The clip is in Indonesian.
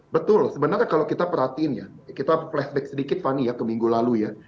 betul sebenarnya kalau kita perhatiin ya kita flashback sedikit fanny ya ke minggu lalu ya